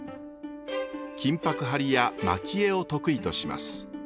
金箔貼りや蒔絵を得意とします。